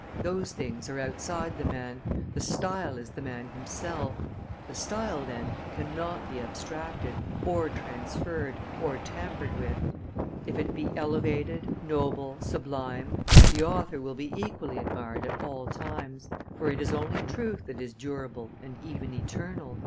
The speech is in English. Those things are outside the man; the style is the man himself; the style, then, cannot be abstracted, or transferred, or tampered with; if it be elevated, noble, sublime, the author will be equally admired at all times, for it is only truth that is durable and even eternal."